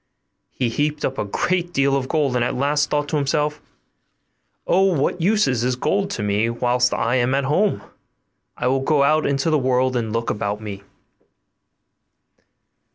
He heaped up a great deal of gold, and at last thought to himself, 'Of what use is this gold to me whilst I am at home? I will go out into the world and look about me.